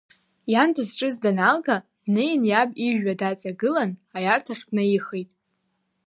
Иан дызҿыз даналга, днеин иаб ижәҩа даҵагылан аиарҭахь днаихеит.